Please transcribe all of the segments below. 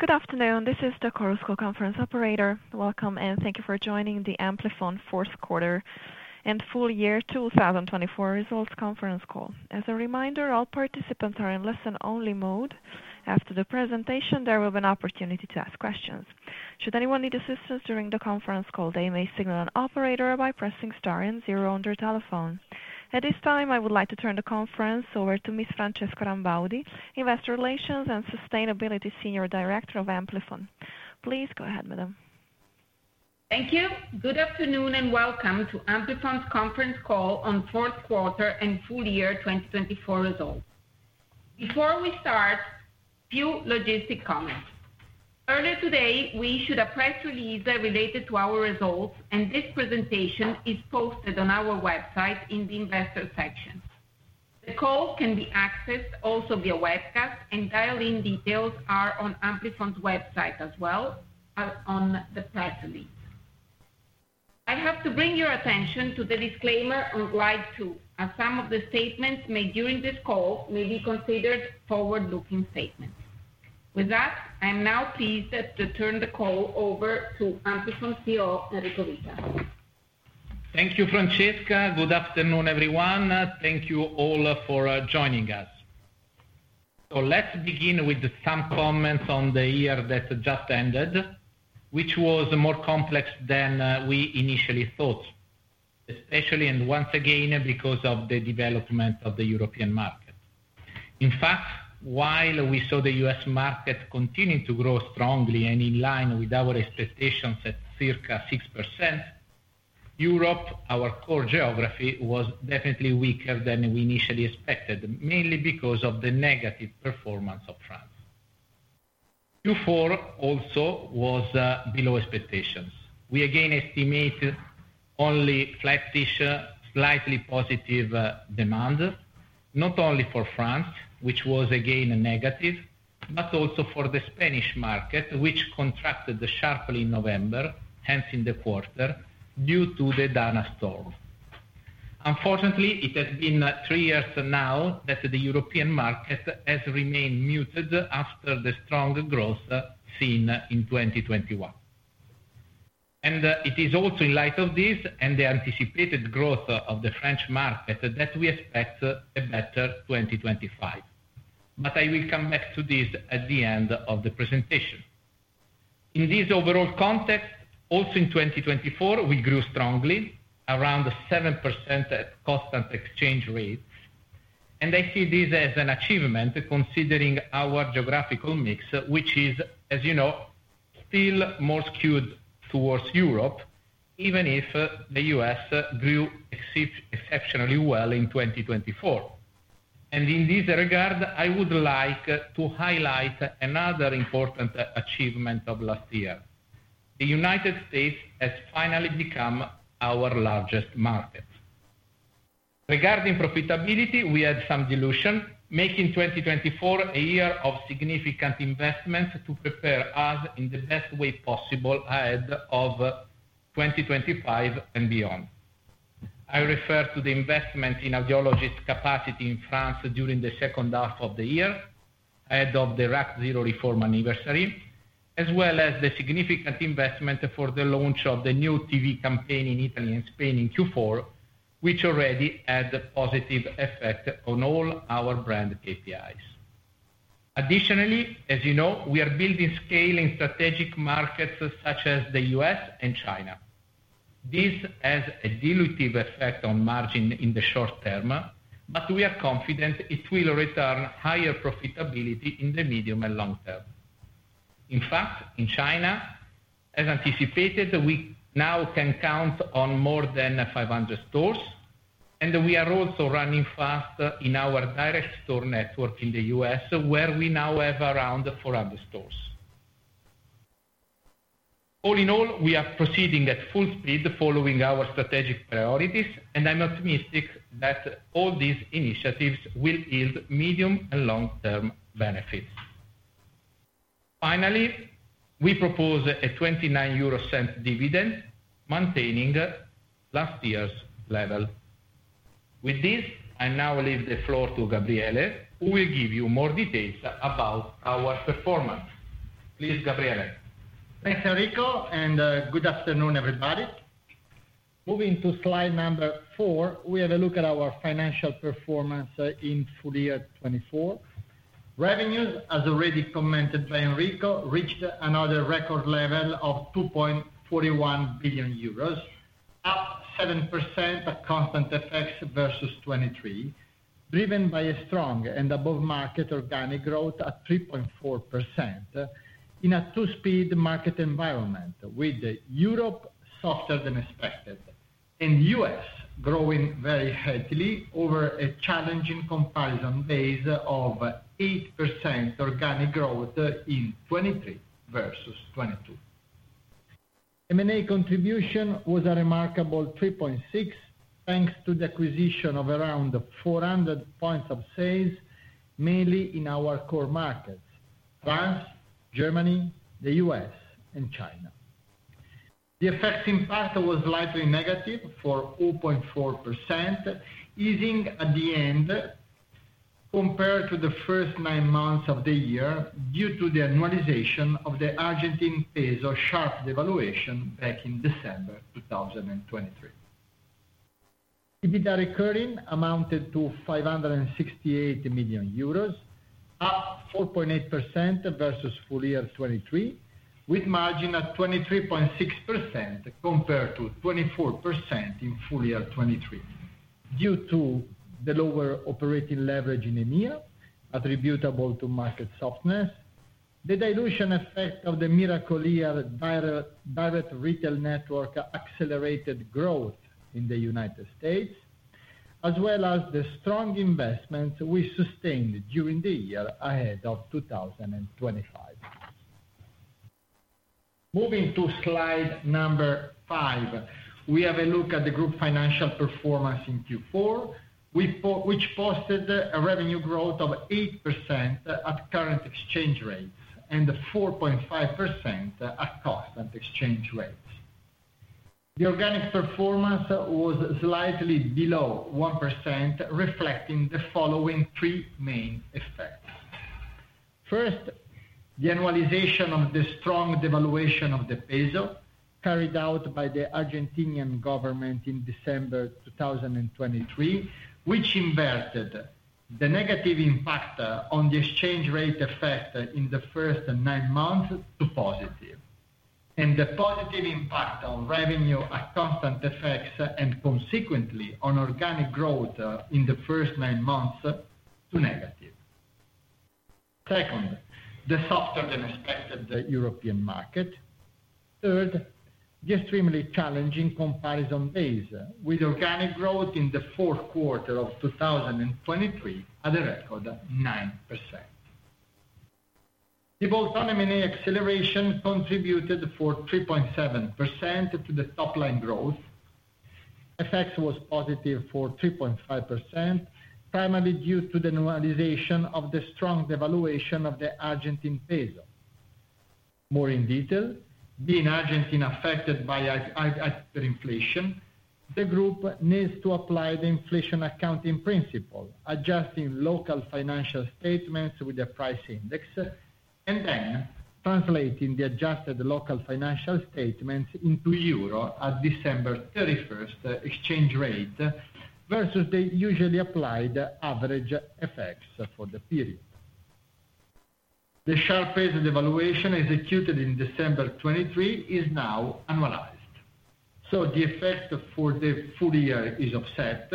Good afternoon. This is the Chorus Call conference operator. Welcome, and thank you for joining the Amplifon fourth quarter and full year 2024 results conference call. As a reminder, all participants are in listen-only mode. After the presentation, there will be an opportunity to ask questions. Should anyone need assistance during the conference call, they may signal an operator by pressing star and zero on their telephone. At this time, I would like to turn the conference over to Ms. Francesca Rambaudi, Investor Relations and Sustainability Senior Director of Amplifon. Please go ahead, madam. Thank you. Good afternoon and welcome to Amplifon's conference call on fourth quarter and full year 2024 results. Before we start, a few logistic comments. Earlier today, we issued a press release related to our results, and this presentation is posted on our website in the investor section. The call can be accessed also via webcast, and dial-in details are on Amplifon's website as well as on the press release. I have to bring your attention to the disclaimer on slide two, as some of the statements made during this call may be considered forward-looking statements. With that, I'm now pleased to turn the call over to Amplifon CEO, Enrico Vita. Thank you, Francesca. Good afternoon, everyone. Thank you all for joining us. So let's begin with some comments on the year that just ended, which was more complex than we initially thought, especially, and once again, because of the development of the EUR opean market. In fact, while we saw the U.S. market continue to grow strongly and in line with our expectations at circa 6%, Europe, our core geography, was definitely weaker than we initially expected, mainly because of the negative performance of France. Q4 also was below expectations. We again estimated only flat-ish, slightly positive demand, not only for France, which was again negative, but also for the Spanish market, which contracted sharply in November, hence in the quarter, due to the D&A storm. Unfortunately, it has been three years now that the European market has remained muted after the strong growth seen in 2021. And it is also in light of this and the anticipated growth of the French market that we expect a better 2025. But I will come back to this at the end of the presentation. In this overall context, also in 2024, we grew strongly, around 7% at constant exchange rates. And I see this as an achievement considering our geographical mix, which is, as you know, still more skewed towards Europe, even if the U.S. grew exceptionally well in 2024. And in this regard, I would like to highlight another important achievement of last year. The United States has finally become our largest market. Regarding profitability, we had some dilution, making 2024 a year of significant investments to prepare us in the best way possible ahead of 2025 and beyond. I refer to the investment in audiologist capacity in France during the second half of the year ahead of the RAC 0 reform anniversary, as well as the significant investment for the launch of the new TV campaign in Italy and Spain in Q4, which already had a positive effect on all our brand KPIs. Additionally, as you know, we are building scale in strategic markets such as the U.S. and China. This has a dilutive effect on margin in the short term, but we are confident it will return higher profitability in the medium and long term. In fact, in China, as anticipated, we now can count on more than 500 stores, and we are also running fast in our direct store network in the U.S., where we now have around 400 stores. All in all, we are proceeding at full speed following our strategic priorities, and I'm optimistic that all these initiatives will yield medium and long-term benefits. Finally, we propose a 0.29 dividend, maintaining last year's level. With this, I now leave the floor to Gabriele, who will give you more details about our performance. Please, Gabriele. Thanks, Enrico, and good afternoon, everybody. Moving to slide number four, we have a look at our financial performance in full year 2024. Revenues, as already commented by Enrico, reached another record level of 2.41 billion euros, up 7% at constant effects versus 2023, driven by a strong and above-market organic growth at 3.4% in a two-speed market environment, with Europe softer than expected and the U.S. growing very heavily over a challenging comparison base of 8% organic growth in 2023 versus 2022. M&A contribution was a remarkable 3.6, thanks to the acquisition of around 400 points of sales, mainly in our core markets: France, Germany, the U.S., and China. The effects impact was slightly negative for 0.4%, easing at the end compared to the first nine months of the year due to the annualization of the Argentine peso sharp devaluation back in December 2023. EBITDA recurring amounted to 568 million euros, up 4.8% versus full year 2023, with margin at 23.6% compared to 24% in full year 2023. Due to the lower operating leverage in EMEA, attributable to market softness, the dilution effect of the Miracle-Ear direct retail network accelerated growth in the United States, as well as the strong investments we sustained during the year ahead of 2025. Moving to slide number five, we have a look at the group financial performance in Q4, which posted a revenue growth of 8% at current exchange rates and 4.5% at constant exchange rates. The organic performance was slightly below 1%, reflecting the following three main effects. First, the annualization of the strong devaluation of the peso carried out by the Argentine government in December 2023, which inverted the negative impact on the exchange rate effect in the first nine months to positive, and the positive impact on revenue at constant effects and consequently on organic growth in the first nine months to negative. Second, the softer-than-expected European market. Third, the extremely challenging comparison base with organic growth in the fourth quarter of 2023 at a record 9%. The bolt-on M&A acceleration contributed for 3.7% to the top-line growth, FX was positive for 3.5%, primarily due to the annualization of the strong devaluation of the Argentine peso. More in detail, being Argentina affected by adverse inflation, the group needs to apply the inflation accounting principle, adjusting local financial statements with the price index, and then translating the adjusted local financial statements into euro at December 31st exchange rate versus the usually applied average FX rates for the period. The sharp peso devaluation executed in December 2023 is now annualized. So the FX effect for the full year is offset,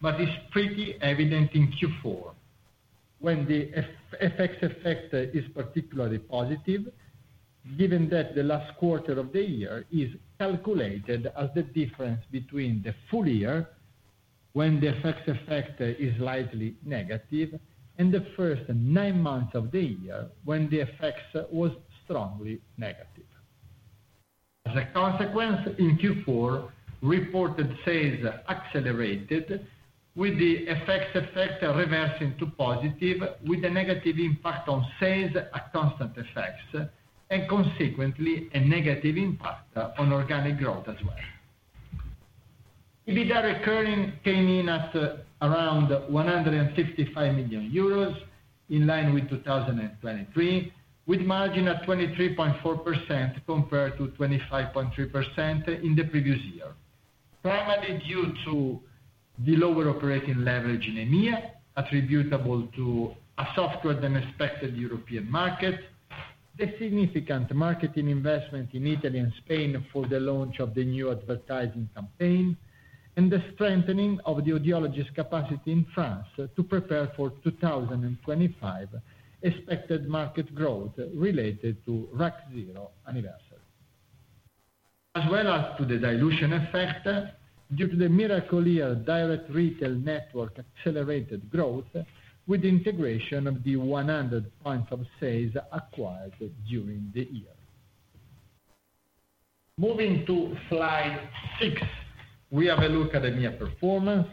but it's pretty evident in Q4 when the FX effect is particularly positive, given that the last quarter of the year is calculated as the difference between the full year when the FX effect is slightly negative and the first nine months of the year when the FX effect was strongly negative. As a consequence, in Q4, reported sales accelerated, with the effects reversing to positive, with a negative impact on sales at constant effects and consequently a negative impact on organic growth as well. EBITDA recurring came in at around 155 million euros in line with 2023, with margin at 23.4% compared to 25.3% in the previous year, primarily due to the lower operating leverage in EMEA, attributable to a softer-than-expected European market, the significant marketing investment in Italy and Spain for the launch of the new advertising campaign, and the strengthening of the audiologist capacity in France to prepare for 2025 expected market growth related to RAC 0 anniversary. As well as to the dilution effect due to the Miracle-Ear direct retail network accelerated growth with the integration of the 100 points of sale acquired during the year. Moving to slide six, we have a look at EMEA performance.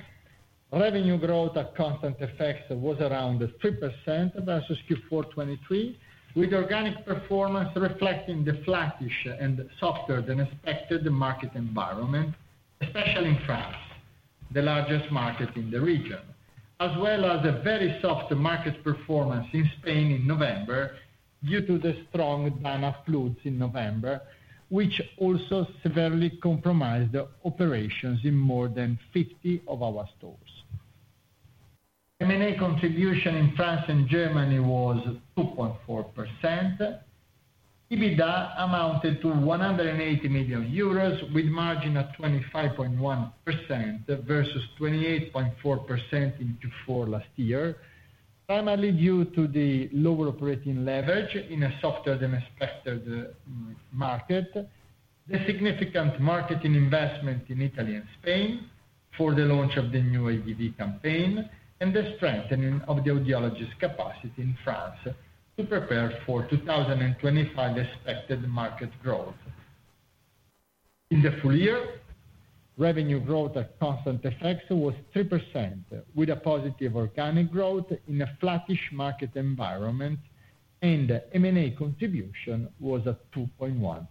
Revenue growth at constant effects was around 3% versus Q4 2023, with organic performance reflecting the flat-ish and softer-than-expected market environment, especially in France, the largest market in the region, as well as a very soft market performance in Spain in November due to the strong D&A floods in November, which also severely compromised operations in more than 50 of our stores. M&A contribution in France and Germany was 2.4%. EBITDA amounted to 180 million euros, with margin at 25.1% versus 28.4% in Q4 last year, primarily due to the lower operating leverage in a softer-than-expected market, the significant marketing investment in Italy and Spain for the launch of the new AGV campaign, and the strengthening of the audiologist capacity in France to prepare for 2025 expected market growth. In the full year, revenue growth at constant effects was 3%, with a positive organic growth in a flat-ish market environment, and M&A contribution was at 2.1%.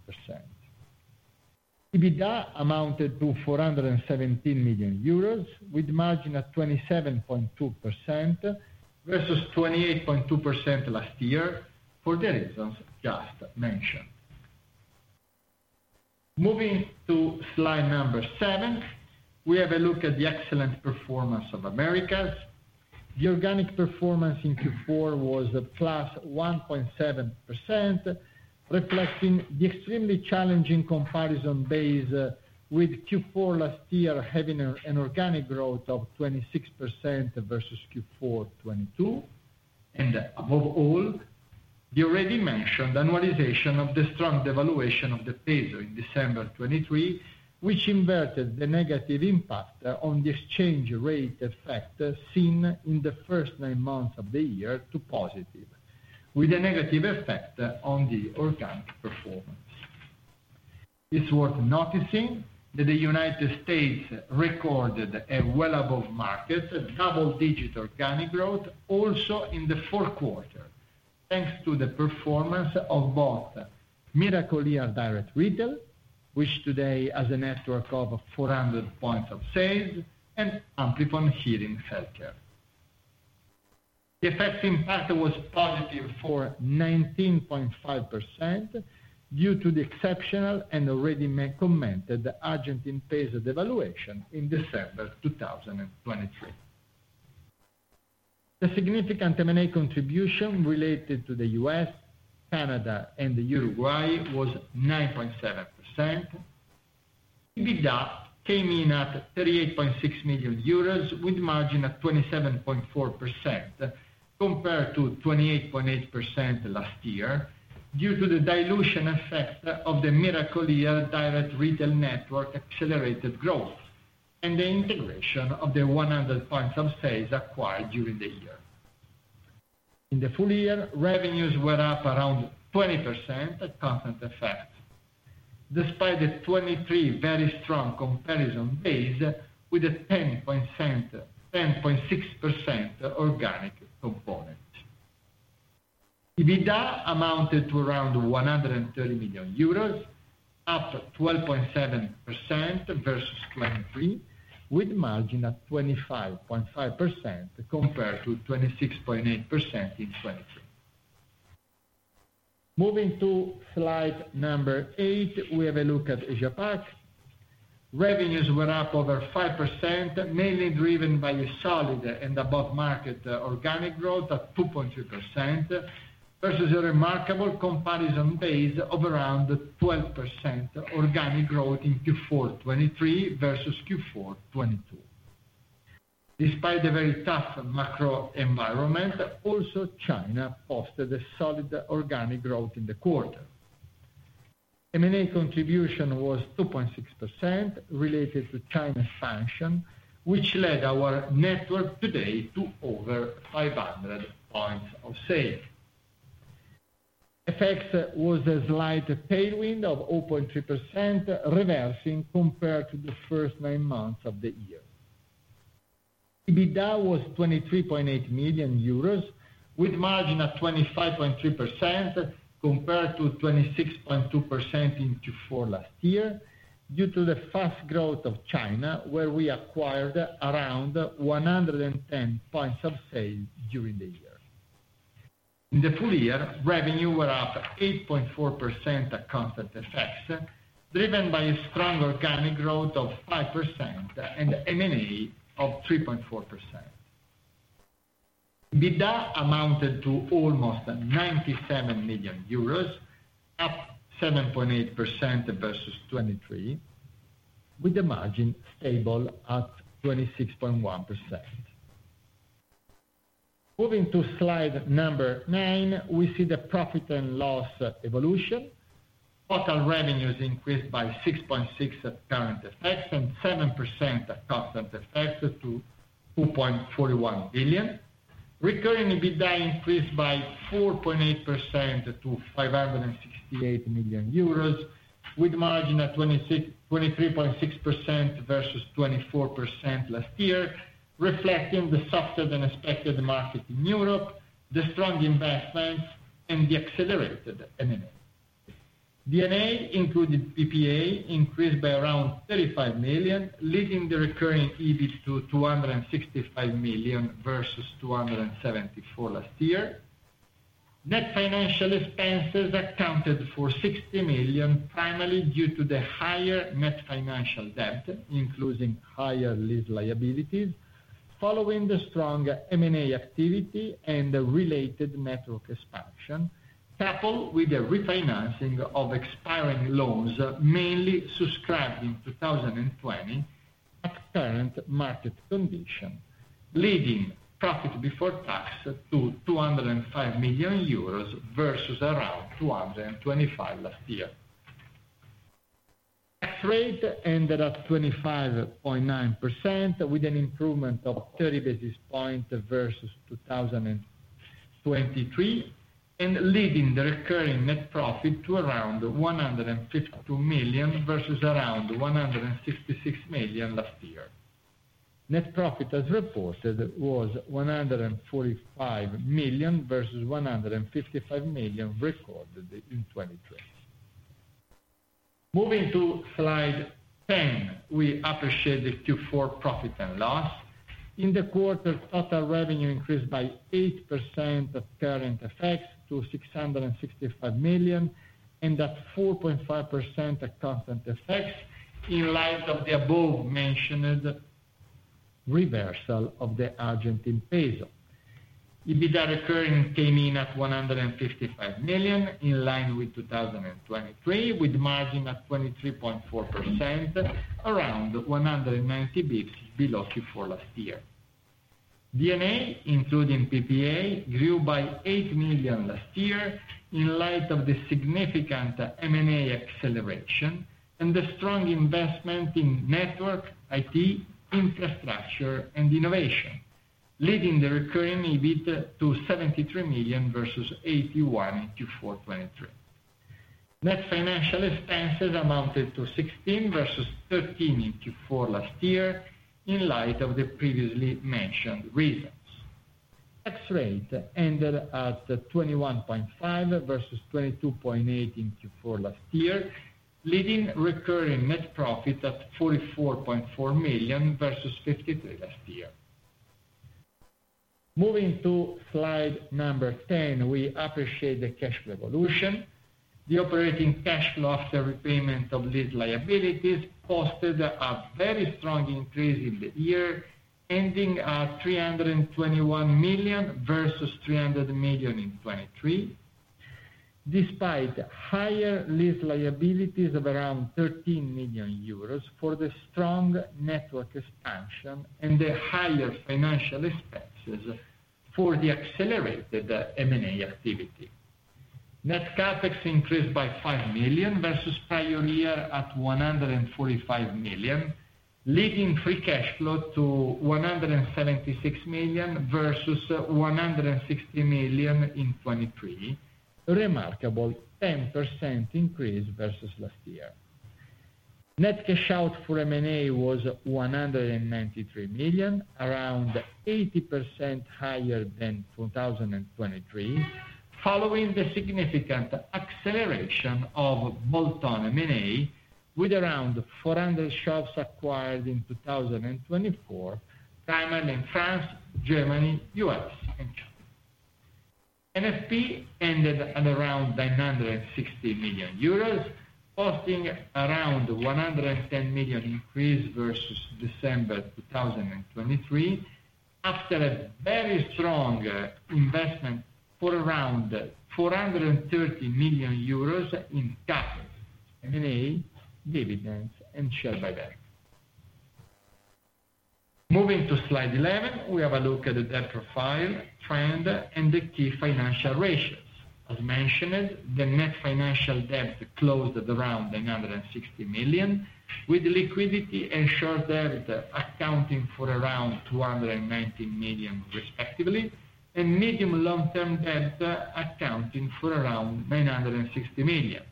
EBITDA amounted to 417 million euros, with margin at 27.2% versus 28.2% last year for the reasons just mentioned. Moving to slide number seven, we have a look at the excellent performance of Americas. The organic performance in Q4 was plus 1.7%, reflecting the extremely challenging comparison base with Q4 last year having an organic growth of 26% versus Q4 2022. And above all, the already mentioned annualization of the strong devaluation of the peso in December 2023, which inverted the negative impact on the exchange rate effect seen in the first nine months of the year to positive, with a negative effect on the organic performance. It's worth noticing that the United States recorded a well-above-market double-digit organic growth also in the fourth quarter, thanks to the performance of both Miracle-Ear direct retail, which today has a network of 400 points of sale, and Amplifon Hearing Healthcare. The FX impact was positive for 19.5% due to the exceptional and already commented Argentine peso devaluation in December 2023. The significant M&A contribution related to the US, Canada, and Uruguay was 9.7%. EBITDA came in at 38.6 million euros, with margin at 27.4% compared to 28.8% last year due to the dilution effect of the Miracle-Ear direct retail network accelerated growth and the integration of the 100 points of sale acquired during the year. In the full year, revenues were up around 20% at constant effects, despite the 2023 very strong comparison base with a 10.6% organic component. EBITDA amounted to around 130 million euros, up 12.7% versus 2023, with margin at 25.5% compared to 26.8% in 2023. Moving to slide number eight, we have a look at Asia-Pac. Revenues were up over 5%, mainly driven by solid and above-market organic growth at 2.3% versus a remarkable comparison base of around 12% organic growth in Q4 2023 versus Q4 2022. Despite a very tough macro environment, also China posted a solid organic growth in the quarter. M&A contribution was 2.6% related to China expansion, which led our network today to over 500 points of sale. Effects was a slight tailwind of 0.3%, reversing compared to the first nine months of the year. EBITDA was 23.8 million euros, with margin at 25.3% compared to 26.2% in Q4 last year due to the fast growth of China, where we acquired around 110 points of sales during the year. In the full year, revenues were up 8.4% at constant effects, driven by a strong organic growth of 5% and M&A of 3.4%. EBITDA amounted to almost 97 million euros, up 7.8% versus 2023, with the margin stable at 26.1%. Moving to slide number nine, we see the profit and loss evolution. Total revenues increased by 6.6% at current effects and 7% at constant effects to 2.41 billion. Recurring EBITDA increased by 4.8% to 568 million euros, with margin at 23.6% versus 24% last year, reflecting the softer-than-expected market in Europe, the strong investments, and the accelerated M&A. The M&A included PPA increased by around 35 million, leading the recurring EBIT to 265 million versus 274 million last year. Net financial expenses accounted for 60 million, primarily due to the higher net financial debt, including higher lease liabilities, following the strong M&A activity and related network expansion, coupled with the refinancing of expiring loans, mainly subscribed in 2020 at current market condition, leading profit before tax to 205 million euros versus around 225 last year. Tax rate ended at 25.9%, with an improvement of 30 basis points versus 2023, and leading the recurring net profit to around 152 million versus around 166 million last year. Net profit, as reported, was 145 million versus 155 million recorded in 2023. Moving to slide 10, we appreciate the Q4 profit and loss. In the quarter, total revenue increased by 8% at current effects to 665 million and at 4.5% at constant effects in light of the above-mentioned reversal of the Argentine peso. EBITDA recurring came in at 155 million in line with 2023, with margin at 23.4%, around 190 basis points below Q4 last year. The M&A, including PPA, grew by 8 million last year in light of the significant M&A acceleration and the strong investment in network, IT, infrastructure, and innovation, leading the recurring EBIT to 73 million versus 81 million in Q4 2023. Net financial expenses amounted to 16 million versus 13 million in Q4 last year in light of the previously mentioned reasons. Tax rate ended at 21.5% versus 22.8% in Q4 last year, leading recurring net profit at 44.4 million versus 53 million last year. Moving to slide number 10, we appreciate the cash flow evolution. The operating cash flow after repayment of lease liabilities posted a very strong increase in the year, ending at 321 million versus 300 million in 2023, despite higher lease liabilities of around 13 million euros for the strong network expansion and the higher financial expenses for the accelerated M&A activity. Net CapEx increased by 5 million versus prior year at 145 million, leading free cash flow to 176 million versus 160 million in 2023, a remarkable 10% increase versus last year. Net cash out for M&A was 193 million, around 80% higher than 2023, following the significant acceleration of bolt-on M&A with around 400 shops acquired in 2024, primarily in France, Germany, US, and China. NFP ended at around 960 million euros, posting around 110 million increase versus December 2023 after a very strong investment for around 430 million euros in CapEx, M&A, dividends, and share buyback. Moving to slide 11, we have a look at the debt profile, trend, and the key financial ratios. As mentioned, the net financial debt closed at around 960 million, with liquidity and short debt accounting for around 219 million, respectively, and medium long-term debt accounting for around 960 million.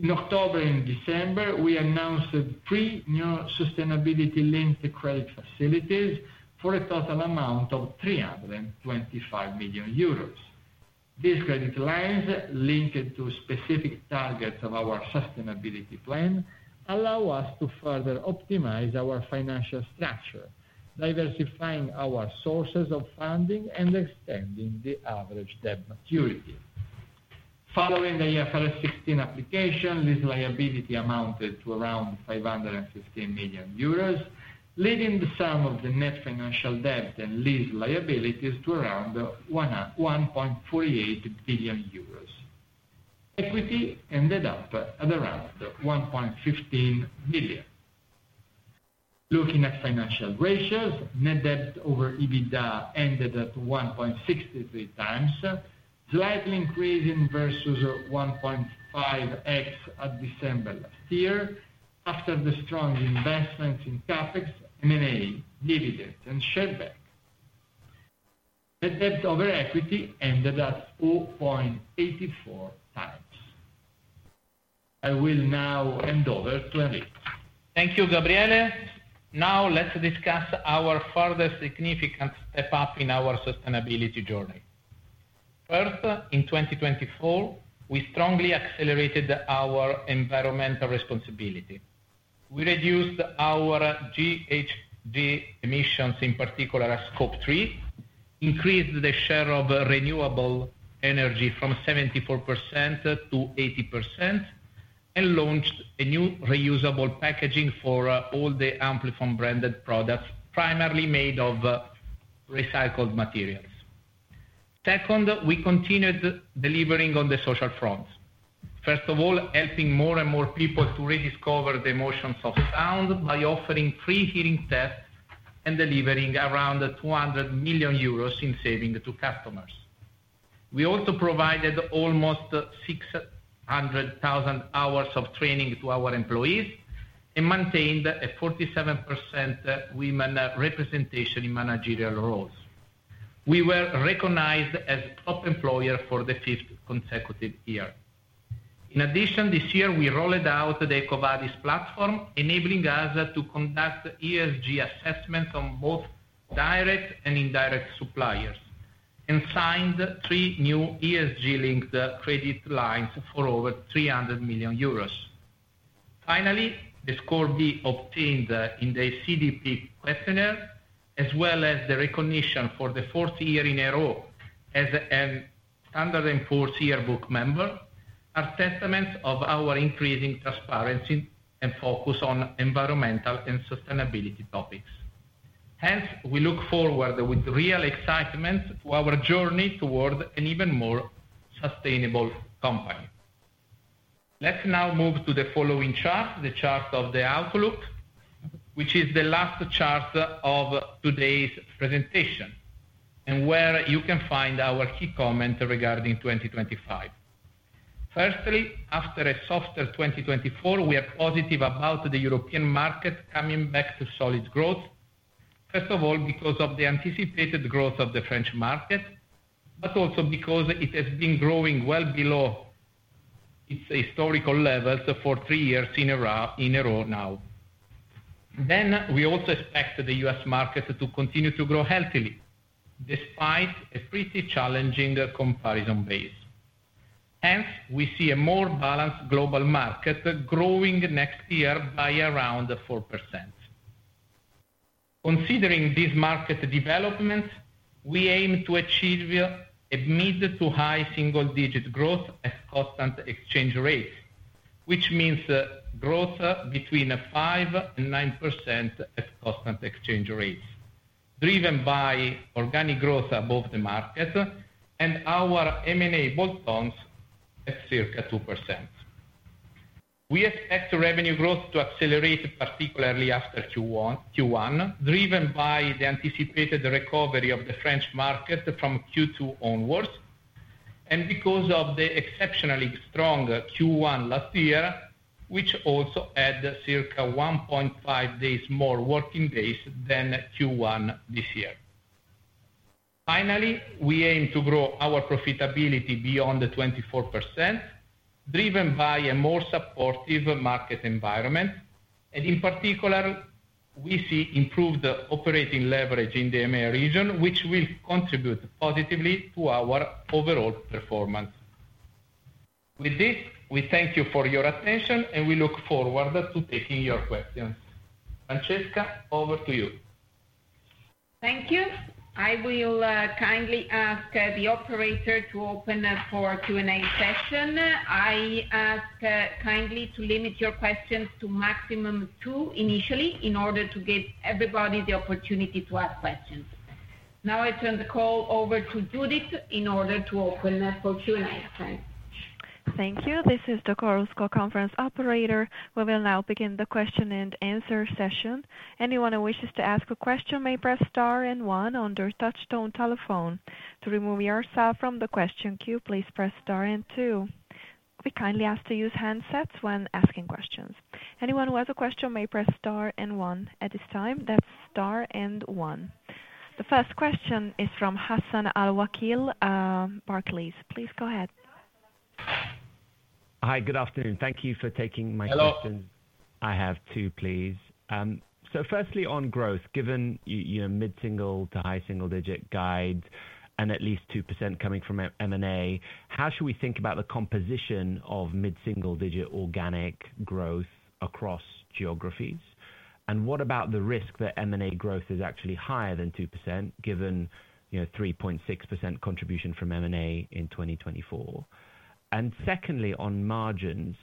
In October and December, we announced three new sustainability-linked credit facilities for a total amount of 325 million euros. These credit lines, linked to specific targets of our sustainability plan, allow us to further optimize our financial structure, diversifying our sources of funding and extending the average debt maturity. Following the IFRS 16 application, lease liability amounted to around 515 million euros, leading the sum of the net financial debt and lease liabilities to around 1.48 billion euros. Equity ended up at around 1.15 million. Looking at financial ratios, net debt over EBITDA ended at 1.63 times, slightly increasing versus 1.5x at December last year after the strong investments in CapEx, M&A, dividends, and share buyback. Net debt over equity ended at 4.84 times. I will now hand over to Enrico. Thank you, Gabriele. Now, let's discuss our further significant step up in our sustainability journey. First, in 2024, we strongly accelerated our environmental responsibility. We reduced our GHG emissions, in particular at Scope 3, increased the share of renewable energy from 74% to 80%, and launched a new reusable packaging for all the Amplifon branded products, primarily made of recycled materials. Second, we continued delivering on the social fronts. First of all, helping more and more people to rediscover the emotions of sound by offering free hearing tests and delivering around 200 million euros in savings to customers. We also provided almost 600,000 hours of training to our employees and maintained a 47% women representation in managerial roles. We were recognized as a top employer for the fifth consecutive year. In addition, this year, we rolled out the EcoVadis platform, enabling us to conduct ESG assessments on both direct and indirect suppliers, and signed three new ESG-linked credit lines for over 300 million euros. Finally, the Score B obtained in the CDP questionnaire, as well as the recognition for the fourth year in a row as a Standard & Poor's yearbook member, are testaments of our increasing transparency and focus on environmental and sustainability topics. Hence, we look forward with real excitement to our journey toward an even more sustainable company. Let's now move to the following chart, the chart of the Outlook, which is the last chart of today's presentation and where you can find our key comments regarding 2025. Firstly, after a softer 2024, we are positive about the European market coming back to solid growth, first of all because of the anticipated growth of the French market, but also because it has been growing well below its historical levels for three years in a row now. Then, we also expect the U.S. market to continue to grow healthily despite a pretty challenging comparison base. Hence, we see a more balanced global market growing next year by around 4%. Considering these market developments, we aim to achieve a mid to high single-digit growth at constant exchange rates, which means growth between 5% and 9% at constant exchange rates, driven by organic growth above the market and our M&A bolt-ons at circa 2%. We expect revenue growth to accelerate, particularly after Q1, driven by the anticipated recovery of the French market from Q2 onwards and because of the exceptionally strong Q1 last year, which also added circa 1.5 days more working days than Q1 this year. Finally, we aim to grow our profitability beyond 24%, driven by a more supportive market environment, and in particular, we see improved operating leverage in the M&A region, which will contribute positively to our overall performance. With this, we thank you for your attention, and we look forward to taking your questions. Francesca, over to you. Thank you. I will kindly ask the operator to open for a Q&A session. I ask kindly to limit your questions to maximum two initially in order to give everybody the opportunity to ask questions. Now, I turn the call over to Judith in order to open for Q&A. Thanks. Thank you. This is Dr. Housman, Conference Operator. We will now begin the question and answer session. Anyone who wishes to ask a question may press star and one on a touch-tone telephone. To remove yourself from the question queue, please press star and two. We kindly ask to use handsets when asking questions. Anyone who has a question may press star and one. At this time, that's star and one. The first question is from Hassan Al-Wakeel, Barclays. Please go ahead. Hi, good afternoon. Thank you for taking my question. Hello. I have two, please. So firstly, on growth, given mid-single-digit to high single-digit guides and at least 2% coming from M&A, how should we think about the composition of mid-single-digit organic growth across geographies? And what about the risk that M&A growth is actually higher than 2%, given 3.6% contribution from M&A in 2024? And secondly, on margins,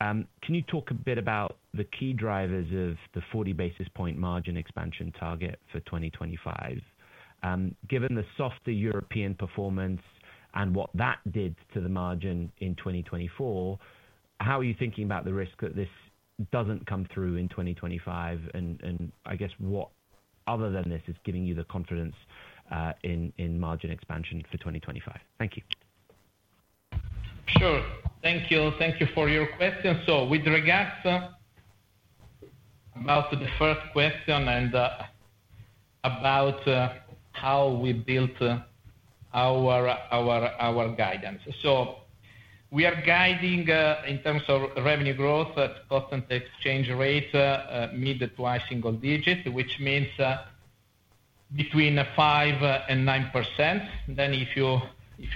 can you talk a bit about the key drivers of the 40 basis points margin expansion target for 2025? Given the softer European performance and what that did to the margin in 2024, how are you thinking about the risk that this doesn't come through in 2025? And I guess what, other than this, is giving you the confidence in margin expansion for 2025? Thank you. Sure. Thank you. Thank you for your question. With regards to the first question and about how we built our guidance. We are guiding in terms of revenue growth at constant exchange rate, mid- to high-single-digit, which means between 5% and 9%. If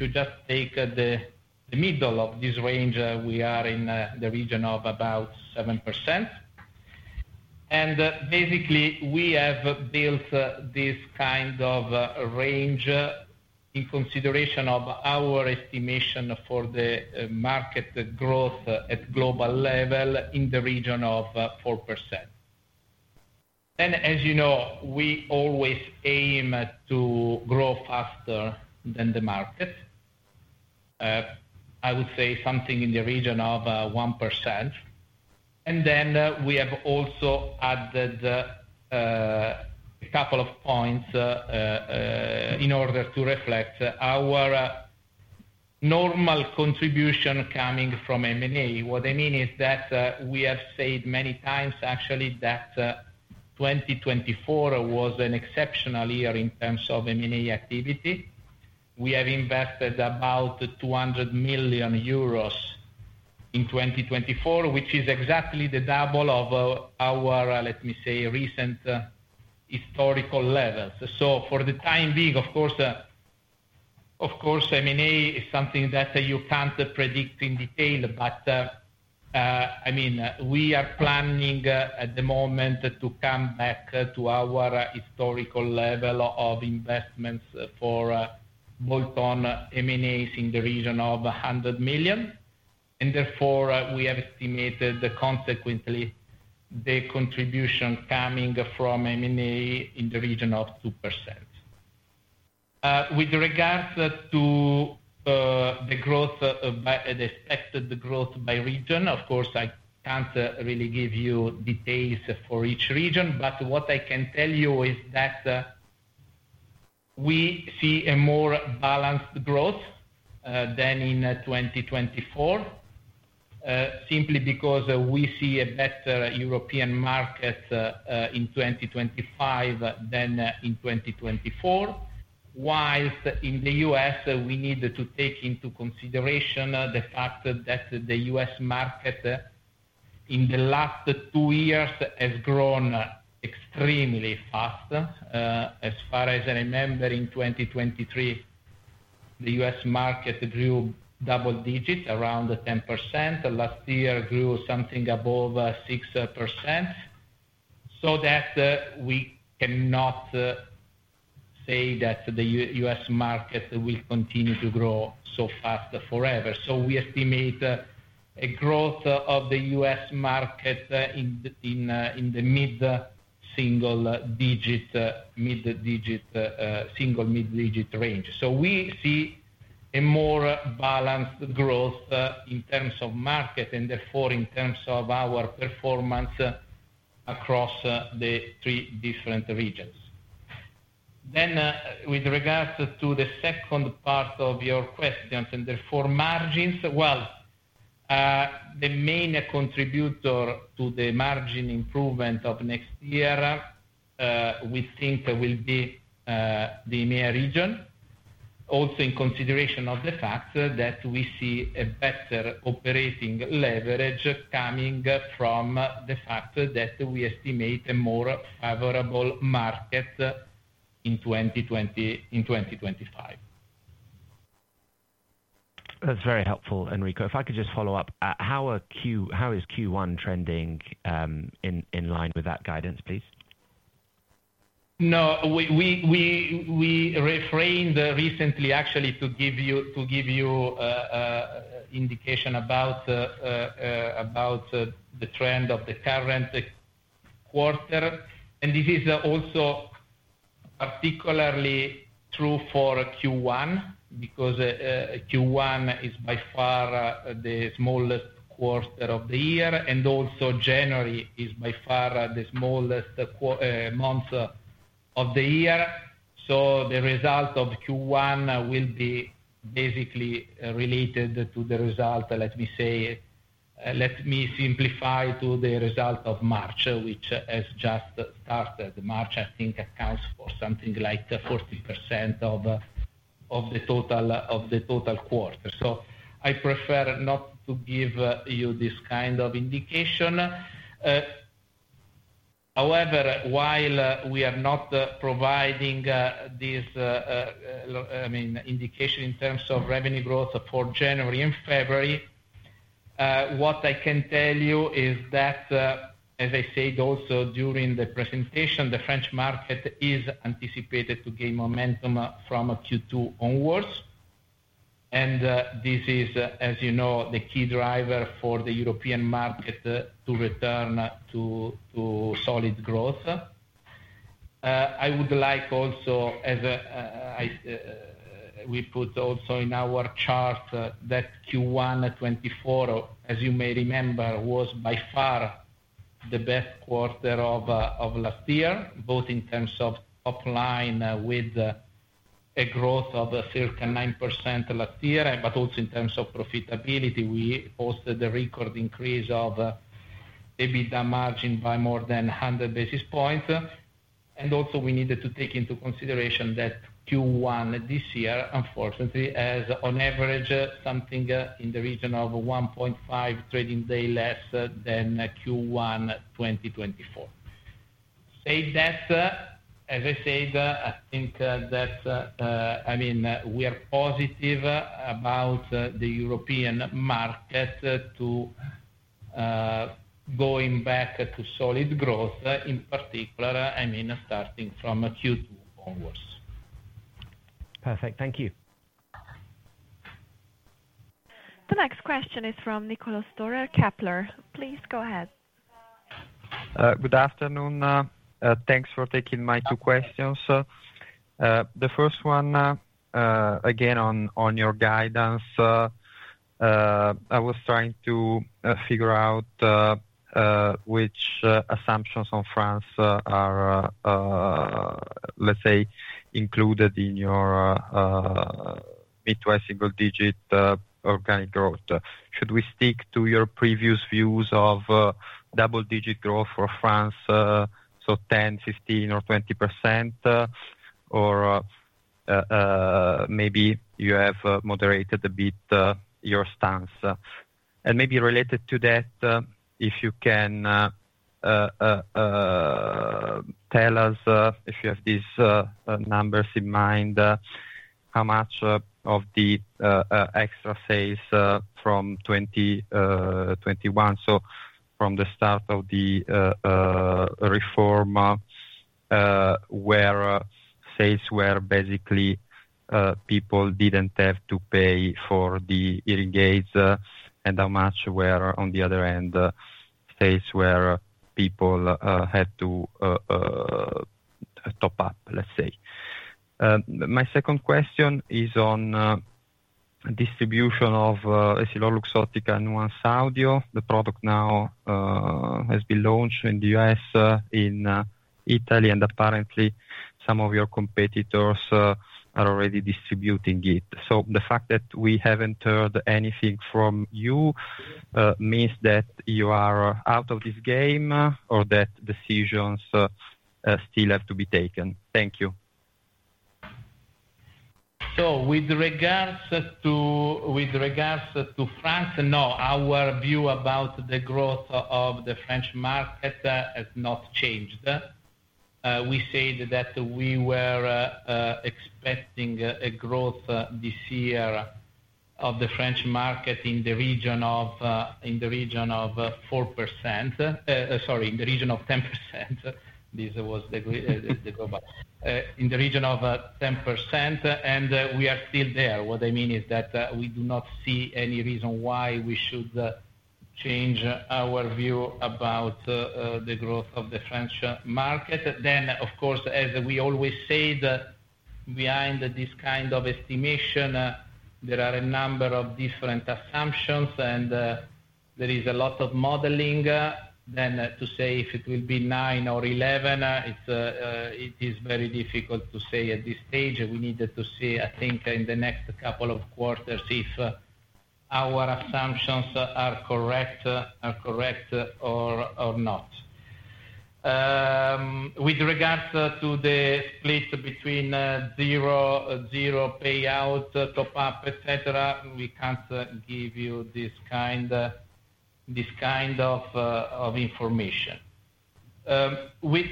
you just take the middle of this range, we are in the region of about 7%. Basically, we have built this kind of range in consideration of our estimation for the market growth at global level in the region of 4%. As you know, we always aim to grow faster than the market. I would say something in the region of 1%. We have also added a couple of points in order to reflect our normal contribution coming from M&A. What I mean is that we have said many times, actually, that 2024 was an exceptional year in terms of M&A activity. We have invested about 200 million euros in 2024, which is exactly the double of our, let me say, recent historical levels. So for the time being, of course, M&A is something that you can't predict in detail, but I mean, we are planning at the moment to come back to our historical level of investments for bolt-on M&As in the region of 100 million. And therefore, we have estimated, consequently, the contribution coming from M&A in the region of 2%. With regards to the growth, the expected growth by region, of course, I can't really give you details for each region, but what I can tell you is that we see a more balanced growth than in 2024, simply because we see a better European market in 2025 than in 2024. While in the US, we need to take into consideration the fact that the US market in the last two years has grown extremely fast. As far as I remember, in 2023, the US market grew double digits, around 10%. Last year, it grew something above 6%. So that we cannot say that the US market will continue to grow so fast forever. So we estimate a growth of the US market in the mid-single digit, mid-digit, single mid-digit range. So we see a more balanced growth in terms of market and therefore in terms of our performance across the three different regions. Then, with regards to the second part of your questions and therefore margins, well, the main contributor to the margin improvement of next year, we think, will be the EMEA region, also in consideration of the fact that we see a better operating leverage coming from the fact that we estimate a more favorable market in 2025. That's very helpful, Enrico. If I could just follow up, how is Q1 trending in line with that guidance, please? No, we refrained recently, actually, to give you an indication about the trend of the current quarter. And this is also particularly true for Q1 because Q1 is by far the smallest quarter of the year, and also January is by far the smallest month of the year. The result of Q1 will be basically related to the result, let me say, let me simplify to the result of March, which has just started. March, I think, accounts for something like 40% of the total quarter. I prefer not to give you this kind of indication. However, while we are not providing this, I mean, indication in terms of revenue growth for January and February, what I can tell you is that, as I said also during the presentation, the French market is anticipated to gain momentum from Q2 onwards. This is, as you know, the key driver for the European market to return to solid growth. I would like also, as we put also in our chart, that Q1 2024, as you may remember, was by far the best quarter of last year, both in terms of top line with a growth of circa 9% last year, but also in terms of profitability. We posted a record increase of EBITDA margin by more than 100 basis points. And also, we needed to take into consideration that Q1 this year, unfortunately, has on average something in the region of 1.5 trading days less than Q1 2024. Say that, as I said, I think that, I mean, we are positive about the European market going back to solid growth, in particular, I mean, starting from Q2 onwards. Perfect. Thank you. The next question is from Niccolò Storer, Kepler. Please go ahead. Good afternoon. Thanks for taking my two questions. The first one, again, on your guidance, I was trying to figure out which assumptions on France are, let's say, included in your mid- to high single-digit organic growth. Should we stick to your previous views of double-digit growth for France, so 10%, 15%, or 20%, or maybe you have moderated a bit your stance? And maybe related to that, if you can tell us, if you have these numbers in mind, how much of the extra sales from 2021, so from the start of the reform, where sales were basically people didn't have to pay for the hearing aids, and how much were, on the other end, sales where people had to top up, let's say. My second question is on distribution of EssilorLuxottica Nuance Audio. The product now has been launched in the US, in Italy, and apparently, some of your competitors are already distributing it. So the fact that we haven't heard anything from you means that you are out of this game or that decisions still have to be taken. Thank you. So with regards to France, no, our view about the growth of the French market has not changed. We said that we were expecting a growth this year of the French market in the region of 4%. Sorry, in the region of 10%. This was the global. In the region of 10%, and we are still there. What I mean is that we do not see any reason why we should change our view about the growth of the French market. Then, of course, as we always said, behind this kind of estimation, there are a number of different assumptions, and there is a lot of modeling. Then, to say if it will be 9 or 11, it is very difficult to say at this stage. We needed to see, I think, in the next couple of quarters if our assumptions are correct or not. With regards to the split between zero payout, top up, etc., we can't give you this kind of information. With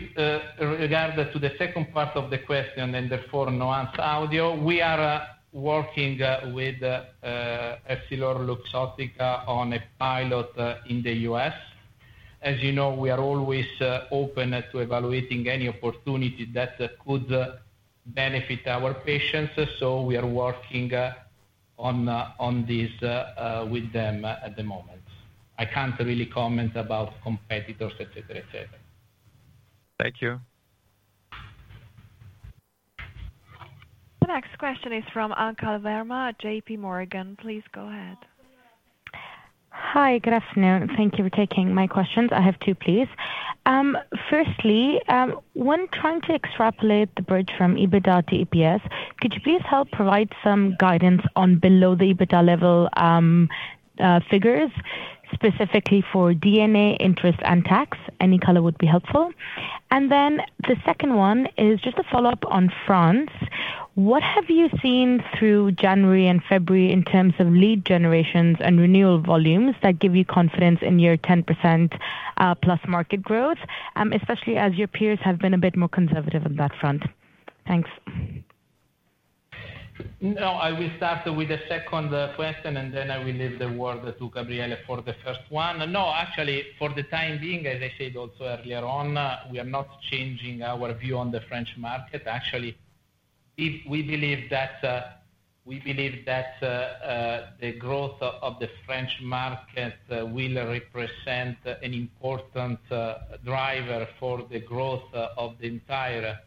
regards to the second part of the question and therefore Nuance Audio, we are working with EssilorLuxottica on a pilot in the US. As you know, we are always open to evaluating any opportunity that could benefit our patients. So we are working on this with them at the moment. I can't really comment about competitors, etc., etc. Thank you. The next question is from Anchal Verma, J.P. Morgan. Please go ahead. Hi, good afternoon. Thank you for taking my questions. I have two, please. Firstly, when trying to extrapolate the bridge from EBITDA to EPS, could you please help provide some guidance on below-the-EBITDA level figures, specifically for D&A, interest, and tax? Any color would be helpful. And then the second one is just a follow-up on France. What have you seen through January and February in terms of lead generations and renewal volumes that give you confidence in your 10% plus market growth, especially as your peers have been a bit more conservative on that front? Thanks. No, I will start with the second question, and then I will leave the floor to Gabriele for the first one. No, actually, for the time being, as I said also earlier on, we are not changing our view on the French market. Actually, we believe that the growth of the French market will represent an important driver for the growth of the entire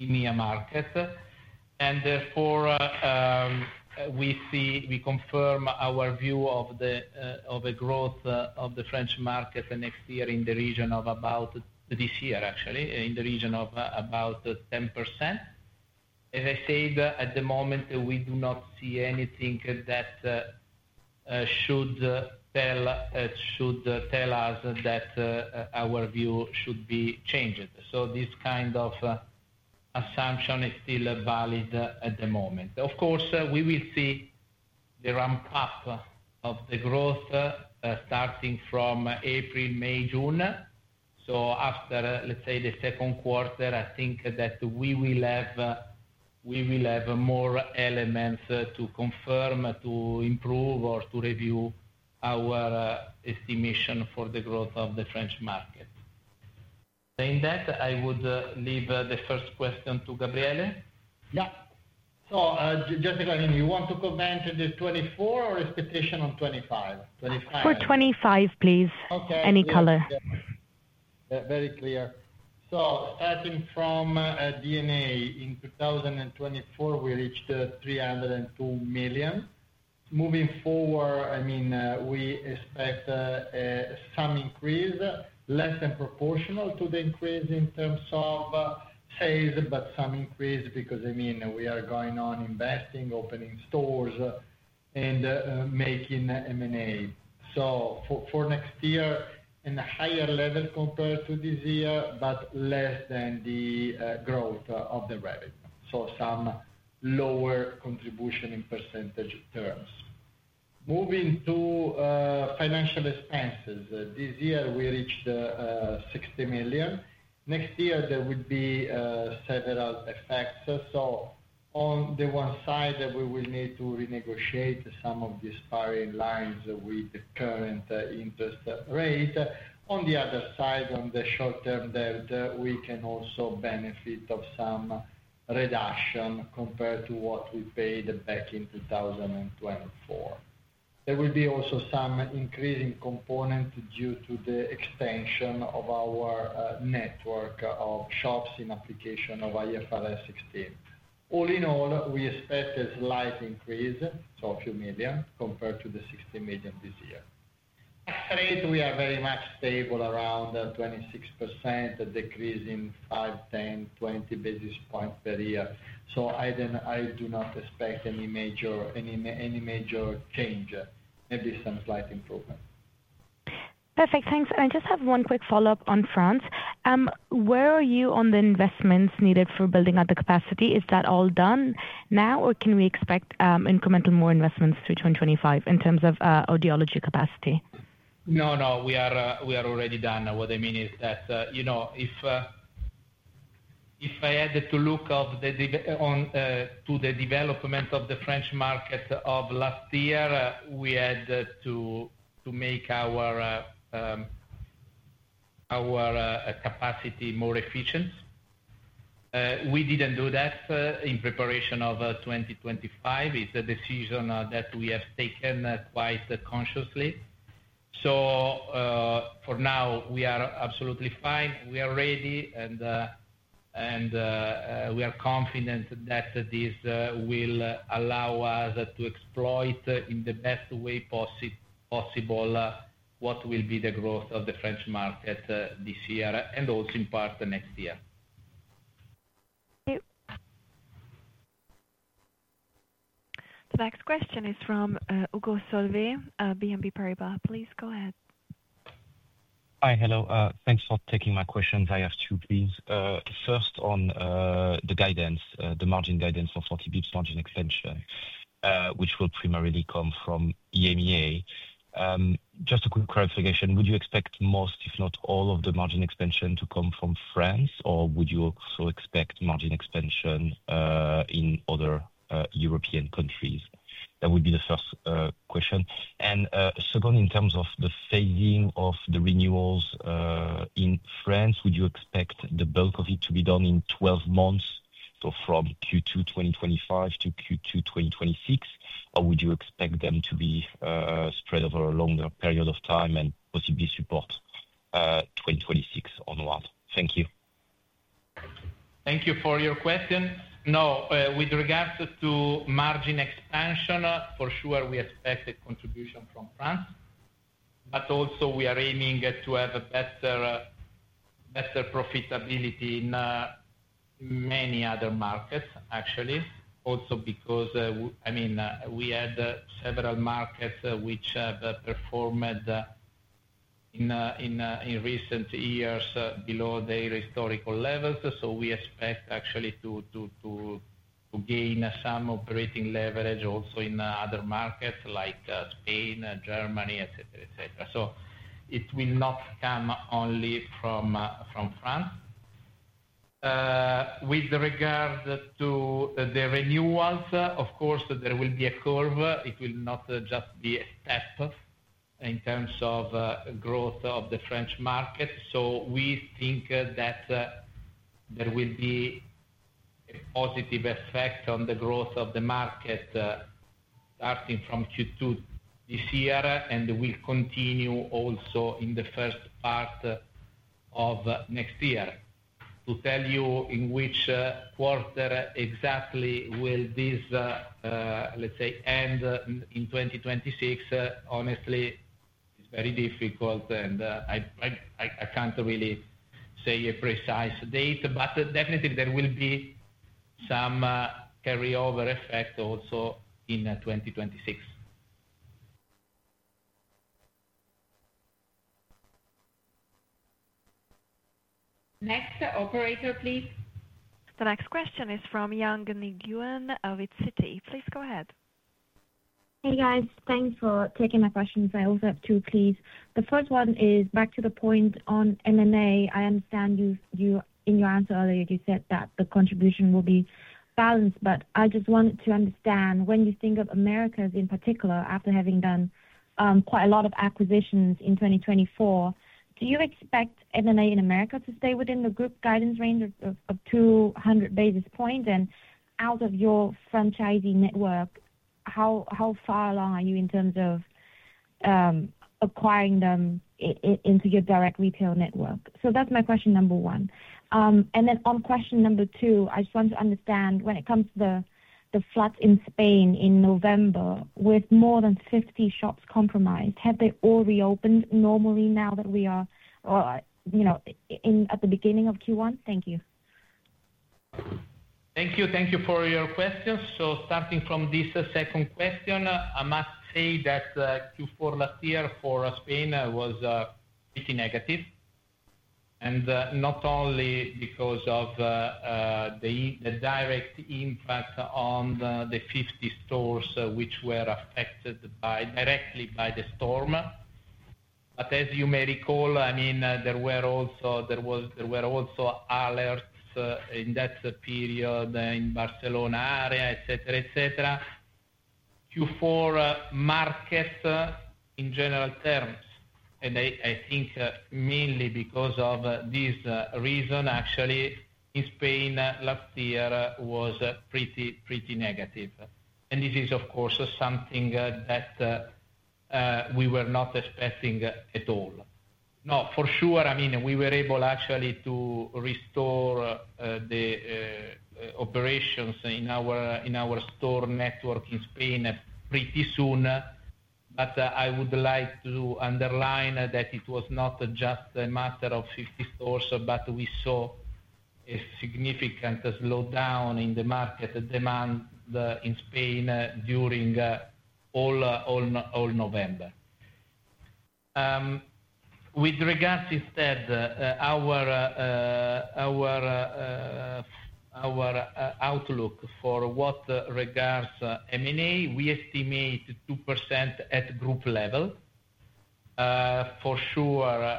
EMEA market. Therefore, we confirm our view of the growth of the French market next year in the region of about this year, actually, in the region of about 10%. As I said, at the moment, we do not see anything that should tell us that our view should be changed. So this kind of assumption is still valid at the moment. Of course, we will see the ramp-up of the growth starting from April, May, June. So after, let's say, the second quarter, I think that we will have more elements to confirm, to improve, or to review our estimation for the growth of the French market. Saying that, I would leave the first question to Gabriele. Yeah. So Jessica, you want to comment on the 2024 or expectation on 2025? 2025. For 2025, please. Any color. Very clear. So starting from D&A, in 2024, we reached 302 million. Moving forward, I mean, we expect some increase, less than proportional to the increase in terms of sales, but some increase because, I mean, we are going on investing, opening stores, and making M&A. So for next year, at a higher level compared to this year, but less than the growth of the revenue. So some lower contribution in percentage terms. Moving to financial expenses, this year, we reached 60 million. Next year, there would be several effects. So on the one side, we will need to renegotiate some of the existing lines with the current interest rate. On the other side, on the short term, we can also benefit from some reduction compared to what we paid back in 2024. There will be also some increase in components due to the extension of our network of shops in application of IFRS 16. All in all, we expect a slight increase, so a few million compared to the 60 million this year. Tax rate, we are very much stable around 26%, decreasing five, 10, 20 basis points per year. So I do not expect any major change, maybe some slight improvement. Perfect. Thanks. And I just have one quick follow-up on France. Where are you on the investments needed for building out the capacity? Is that all done now, or can we expect incremental more investments through 2025 in terms of audiology capacity? No, no, we are already done. What I mean is that if I had to look to the development of the French market of last year, we had to make our capacity more efficient. We didn't do that in preparation of 2025. It's a decision that we have taken quite consciously. So for now, we are absolutely fine. We are ready, and we are confident that this will allow us to exploit in the best way possible what will be the growth of the French market this year and also in part next year. The next question is from Hugo Solvet, BNP Paribas. Please go ahead. Hi, hello. Thanks for taking my questions. I have two things. First, on the guidance, the margin guidance for 40 basis points margin extension, which will primarily come from EMEA. Just a quick clarification. Would you expect most, if not all, of the margin extension to come from France, or would you also expect margin extension in other European countries? That would be the first question. Second, in terms of the phasing of the renewals in France, would you expect the bulk of it to be done in 12 months, so from Q2 2025 to Q2 2026, or would you expect them to be spread over a longer period of time and possibly support 2026 onward? Thank you. Thank you for your question. No, with regards to margin expansion, for sure, we expect a contribution from France. But also, we are aiming to have better profitability in many other markets, actually, also because, I mean, we had several markets which have performed in recent years below their historical levels. So we expect, actually, to gain some operating leverage also in other markets like Spain, Germany, etc., etc. So it will not come only from France. With regards to the renewals, of course, there will be a curve. It will not just be a step in terms of growth of the French market. So we think that there will be a positive effect on the growth of the market starting from Q2 this year and will continue also in the first part of next year. To tell you in which quarter exactly will this, let's say, end in 2026, honestly, it's very difficult, and I can't really say a precise date, but definitely, there will be some carryover effect also in 2026. Next operator, please. The next question is from Yang Niguan at Citi. Please go ahead. Hey, guys. Thanks for taking my questions. I also have two, please. The first one is back to the point on M&A. I understand in your answer earlier, you said that the contribution will be balanced, but I just wanted to understand when you think of Americas in particular, after having done quite a lot of acquisitions in 2024, do you expect M&A in America to stay within the group guidance range of 200 basis points? And out of your franchisee network, how far along are you in terms of acquiring them into your direct retail network? So that's my question number one. And then on question number two, I just want to understand when it comes to the flood in Spain in November with more than 50 shops compromised, have they all reopened normally now that we are at the beginning of Q1? Thank you. Thank you. Thank you for your questions. Starting from this second question, I must say that Q4 last year for Spain was pretty negative, and not only because of the direct impact on the 50 stores which were affected directly by the storm. But as you may recall, I mean, there were also alerts in that period in Barcelona area, etc., etc. Q4 market in general terms, and I think mainly because of this reason, actually, in Spain last year was pretty negative. And this is, of course, something that we were not expecting at all. No, for sure, I mean, we were able actually to restore the operations in our store network in Spain pretty soon, but I would like to underline that it was not just a matter of 50 stores, but we saw a significant slowdown in the market demand in Spain during all November. With regards instead, our outlook for what regards M&A, we estimate 2% at group level, for sure,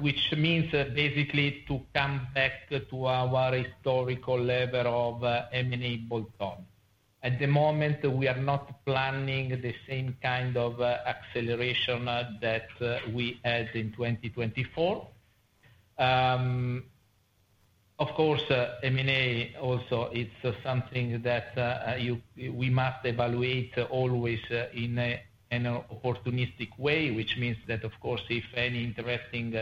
which means basically to come back to our historical level of M&A bolt-on. At the moment, we are not planning the same kind of acceleration that we had in 2024. Of course, M&A also, it's something that we must evaluate always in an opportunistic way, which means that, of course, if any interesting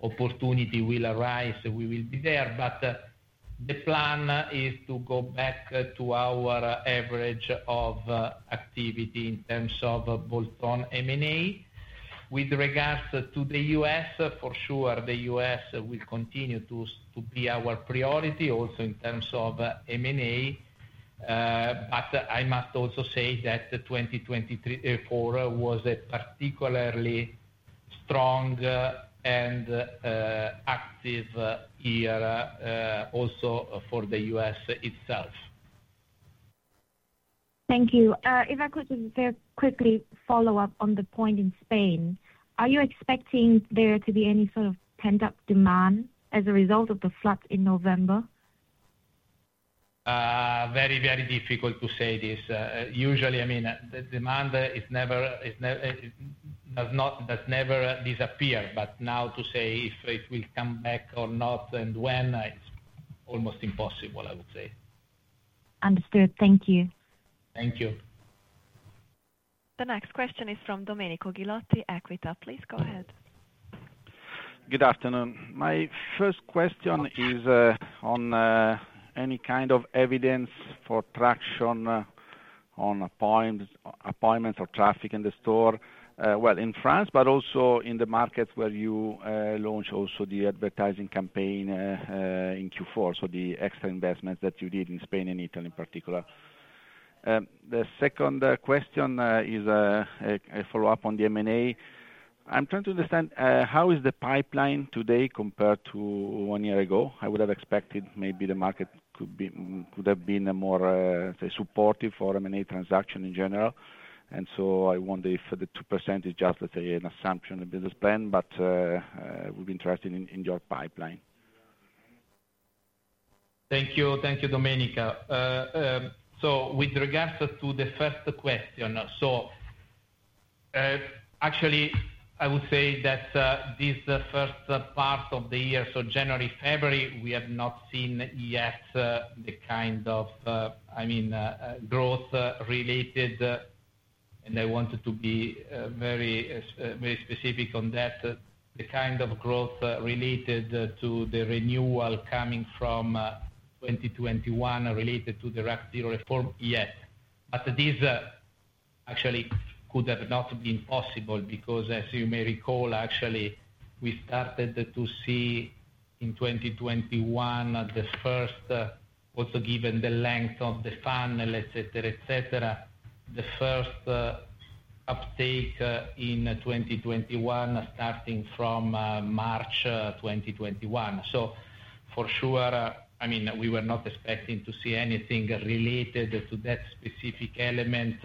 opportunity will arise, we will be there. But the plan is to go back to our average of activity in terms of bolt-on M&A. With regards to the US, for sure, the US will continue to be our priority also in terms of M&A, but I must also say that 2024 was a particularly strong and active year also for the US itself. Thank you. If I could just very quickly follow up on the point in Spain, are you expecting there to be any sort of pent-up demand as a result of the flood in November? Very, very difficult to say this. Usually, I mean, the demand does never disappear, but now to say if it will come back or not and when is almost impossible, I would say. Understood. Thank you. Thank you. The next question is from Domenico Ghilotti, Equita. Please go ahead. Good afternoon. My first question is on any kind of evidence for traction on appointments or traffic in the store, well, in France, but also in the markets where you launched also the advertising campaign in Q4, so the extra investments that you did in Spain and Italy in particular. The second question is a follow-up on the M&A. I'm trying to understand how is the pipeline today compared to one year ago. I would have expected maybe the market could have been more, let's say, supportive for M&A transaction in general. And so I wonder if the 2% is just, let's say, an assumption, a business plan, but we'll be interested in your pipeline. Thank you. Thank you, Domenico. So with regards to the first question, so actually, I would say that this first part of the year, so January, February, we have not seen yet the kind of, I mean, growth related, and I wanted to be very specific on that, the kind of growth related to the renewal coming from 2021 related to the RAC 0. Perform yet. But this actually could have not been possible because, as you may recall, actually, we started to see in 2021 the first, also given the length of the funnel, etc., etc., the first uptake in 2021 starting from March 2021, so for sure, I mean, we were not expecting to see anything related to that specific element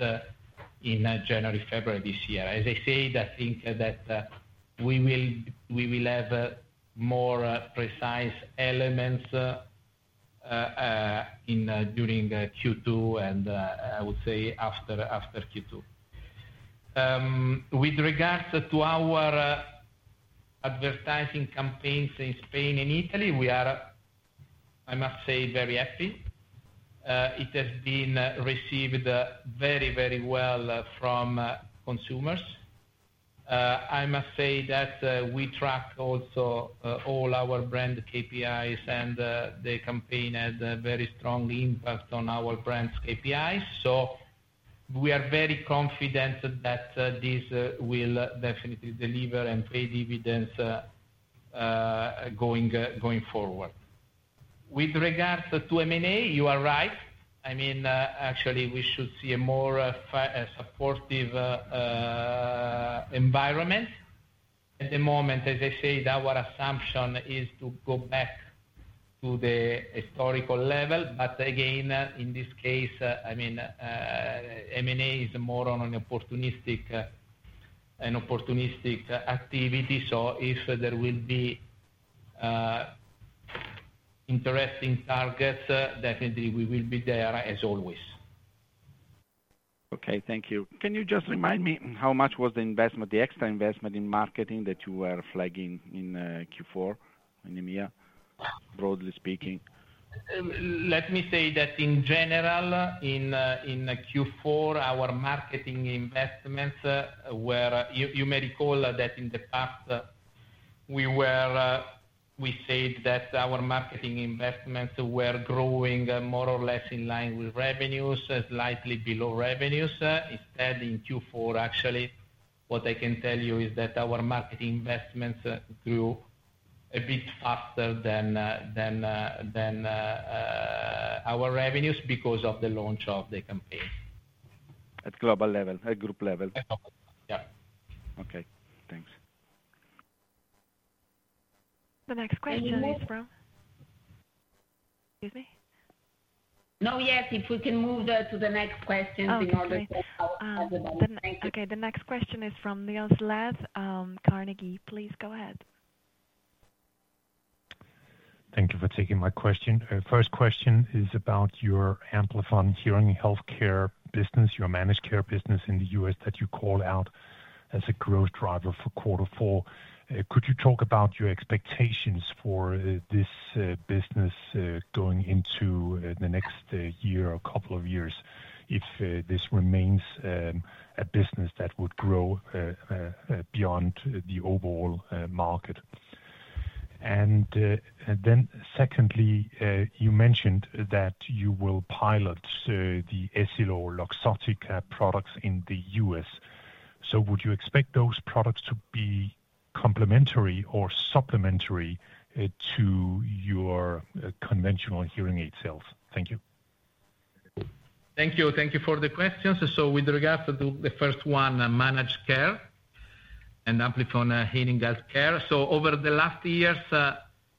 in January, February this year. As I said, I think that we will have more precise elements during Q2 and, I would say, after Q2. With regards to our advertising campaigns in Spain and Italy, we are, I must say, very happy. It has been received very, very well from consumers. I must say that we track also all our brand KPIs, and the campaign had a very strong impact on our brand's KPIs, so we are very confident that this will definitely deliver and pay dividends going forward. With regards to M&A, you are right. I mean, actually, we should see a more supportive environment. At the moment, as I said, our assumption is to go back to the historical level. But again, in this case, I mean, M&A is more on an opportunistic activity. So if there will be interesting targets, definitely we will be there as always. Okay. Thank you. Can you just remind me how much was the investment, the extra investment in marketing that you were flagging in Q4, in EMEA, broadly speaking? Let me say that in general, in Q4, our marketing investments were. You may recall that in the past, we said that our marketing investments were growing more or less in line with revenues, slightly below revenues. Instead, in Q4, actually, what I can tell you is that our marketing investments grew a bit faster than our revenues because of the launch of the campaign. At global level, at group level. Yeah. Okay. Thanks. The next question is from. Excuse me. No, yes, if we can move to the next question in order to have the next. Okay. The next question is from Niels Granholm-Leth, Carnegie, please go ahead. Thank you for taking my question. First question is about your Amplifon Hearing Healthcare business, your managed care business in the U.S. that you called out as a growth driver for quarter four. Could you talk about your expectations for this business going into the next year or couple of years if this remains a business that would grow beyond the overall market? And then secondly, you mentioned that you will pilot the EssilorLuxottica products in the U.S. So would you expect those products to be complementary or supplementary to your conventional hearing aid sales? Thank you. Thank you. Thank you for the questions. So with regards to the first one, managed care and Amplifon Hearing Healthcare. So over the last years,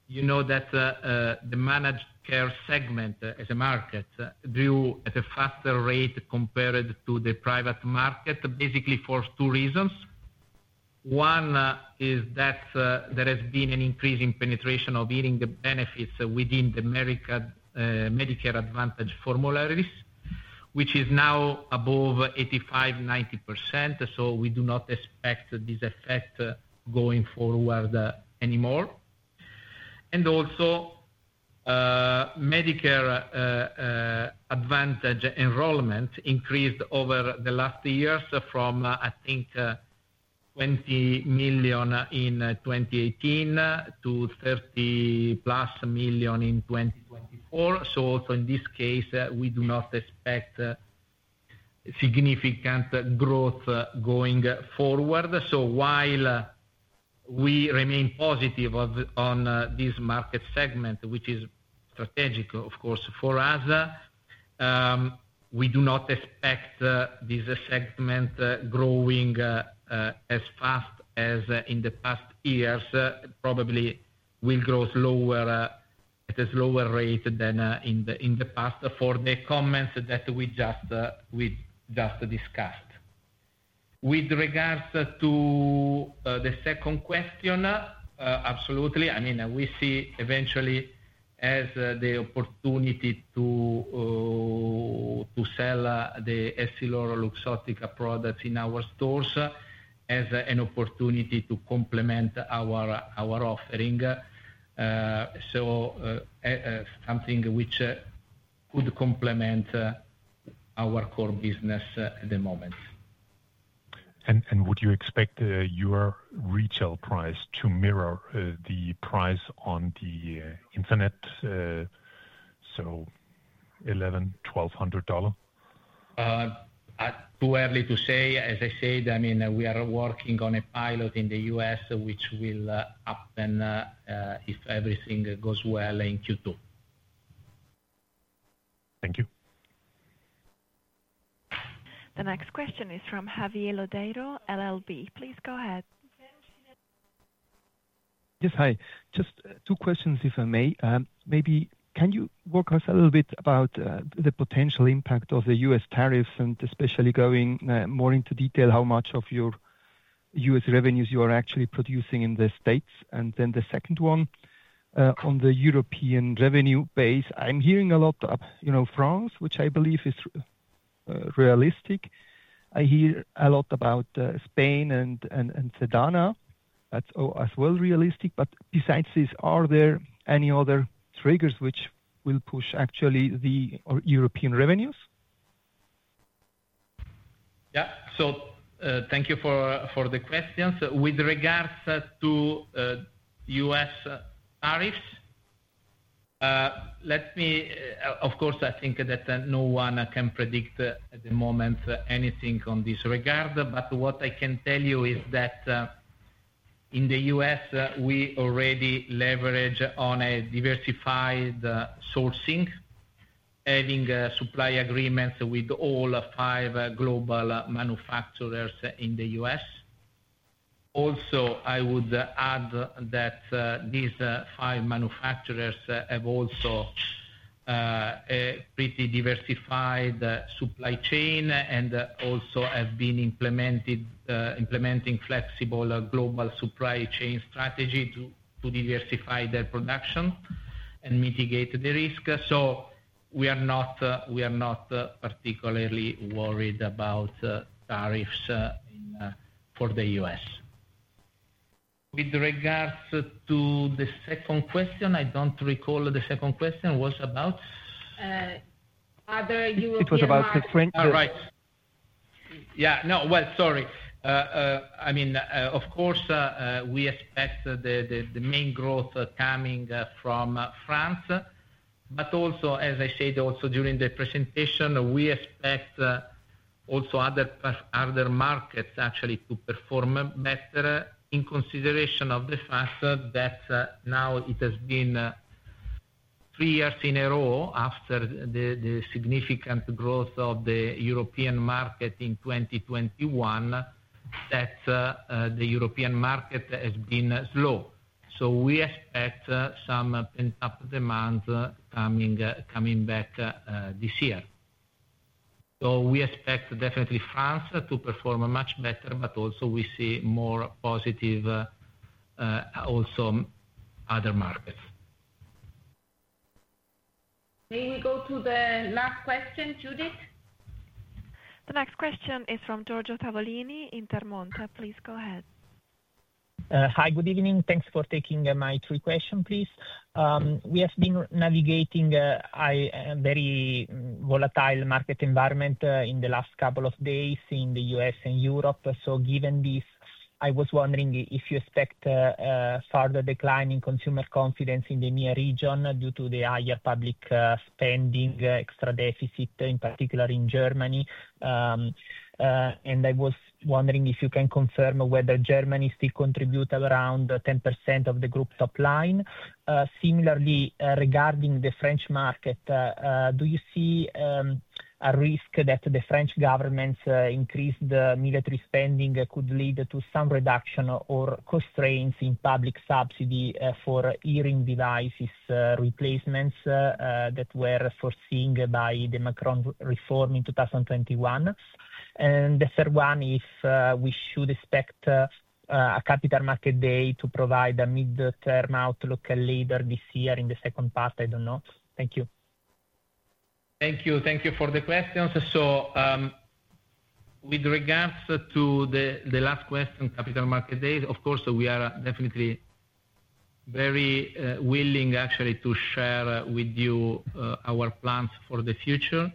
you know that the managed care segment as a market grew at a faster rate compared to the private market, basically for two reasons. One is that there has been an increase in penetration of hearing benefits within the Medicare Advantage formularies, which is now above 85%-90%. So we do not expect this effect going forward anymore. And also, Medicare Advantage enrollment increased over the last years from, I think, 20 million in 2018 to 30 plus million in 2024. So also in this case, we do not expect significant growth going forward. While we remain positive on this market segment, which is strategic, of course, for us, we do not expect this segment growing as fast as in the past years. Probably we'll grow at a slower rate than in the past for the comments that we just discussed. With regards to the second question, absolutely. I mean, we see eventually as the opportunity to sell the EssilorLuxottica products in our stores as an opportunity to complement our offering. So something which could complement our core business at the moment. And would you expect your retail price to mirror the price on the internet? So $1,100-$1,200? Too early to say. As I said, I mean, we are working on a pilot in the U.S., which will happen if everything goes well in Q2. Thank you. The next question is from Javier Lodeiro, LLB. Please go ahead. Yes. Hi. Just two questions, if I may. Maybe can you walk us a little bit about the potential impact of the U.S. tariffs and especially going more into detail how much of your U.S. revenues you are actually producing in the States? And then the second one, on the European revenue base, I'm hearing a lot of France, which I believe is realistic. I hear a lot about Spain and Sonova. That's as well realistic. But besides this, are there any other triggers which will push actually the European revenues? Yeah, so thank you for the questions. With regards to U.S. tariffs, let me of course, I think that no one can predict at the moment anything on this regard. But what I can tell you is that in the U.S., we already leverage on a diversified sourcing, having supply agreements with all five global manufacturers in the U.S. Also, I would add that these five manufacturers have also a pretty diversified supply chain and also have been implementing flexible global supply chain strategy to diversify their production and mitigate the risk. So we are not particularly worried about tariffs for the U.S. With regards to the second question, I don't recall the second question was about. Are there European. It was about the French. All right. Yeah. No. Well, sorry. I mean, of course, we expect the main growth coming from France. But also, as I said, also during the presentation, we expect also other markets actually to perform better in consideration of the fact that now it has been three years in a row after the significant growth of the European market in 2021 that the European market has been slow. So we expect some pent-up demand coming back this year. So we expect definitely France to perform much better, but also we see more positive also other markets. May we go to the last question, Judith? The next question is from Giorgio Tavolini in Intermonte. Please go ahead. Hi. Good evening. Thanks for taking my three questions, please. We have been navigating a very volatile market environment in the last couple of days in the U.S. and Europe. So given this, I was wondering if you expect a further decline in consumer confidence in the EMEA region due to the higher public spending, extra deficit, in particular in Germany. And I was wondering if you can confirm whether Germany still contributes around 10% of the group top line. Similarly, regarding the French market, do you see a risk that the French government's increased military spending could lead to some reduction or constraints in public subsidy for hearing devices replacements that were foreseen by the Macron reform in 2021? And the third one, if we should expect a capital market day to provide a midterm outlook later this year in the second part, I don't know. Thank you. Thank you. Thank you for the questions. So with regards to the last question, capital market day, of course, we are definitely very willing actually to share with you our plans for the future.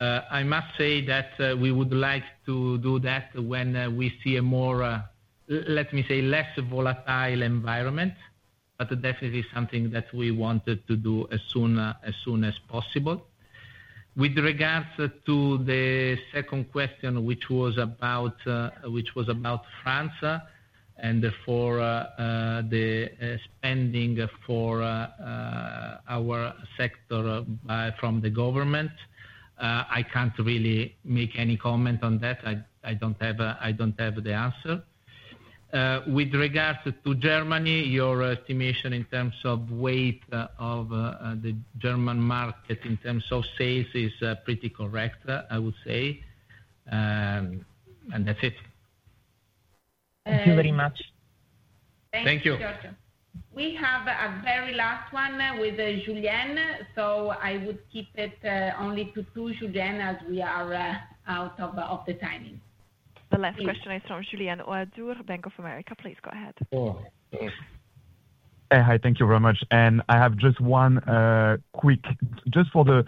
I must say that we would like to do that when we see a more, let me say, less volatile environment, but definitely something that we wanted to do as soon as possible. With regards to the second question, which was about France and therefore the spending for our sector from the government, I can't really make any comment on that. I don't have the answer. With regards to Germany, your estimation in terms of weight of the German market in terms of sales is pretty correct, I would say. And that's it. Thank you very much. Thank you. Thank you, Giorgio. We have a very last one with Julien. So I would keep it only to two, Julienne, as we are out of the timing. The last question is from Julien Ouaddour, Bank of America. Please go ahead. Hi. Thank you very much. And I have just one quick for the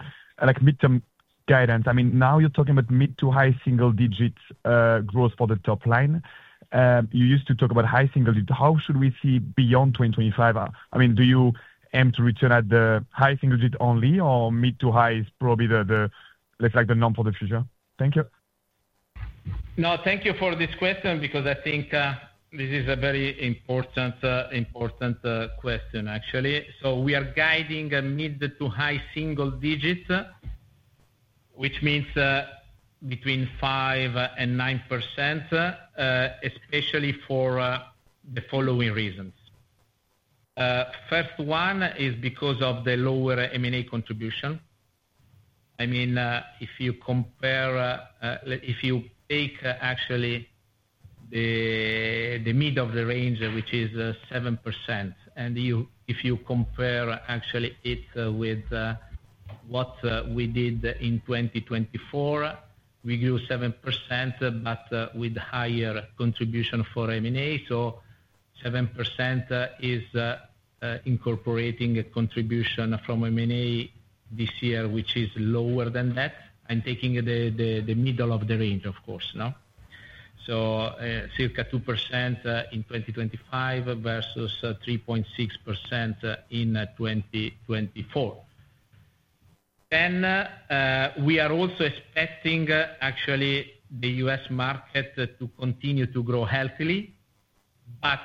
midterm guidance. I mean, now you're talking about mid- to high single-digit growth for the top line. You used to talk about high single-digit. How should we see beyond 2025? I mean, do you aim to return at the high single digit only, or mid to high is probably the, let's say, the norm for the future? Thank you. No, thank you for this question because I think this is a very important question, actually. So we are guiding mid to high single digit, which means between 5% and 9%, especially for the following reasons. First one is because of the lower M&A contribution. I mean, if you compare, if you take actually the mid of the range, which is 7%, and if you compare actually it with what we did in 2024, we grew 7%, but with higher contribution for M&A. So 7% is incorporating a contribution from M&A this year, which is lower than that. I'm taking the middle of the range, of course. So circa 2% in 2025 versus 3.6% in 2024. Then we are also expecting actually the U.S. market to continue to grow healthily, but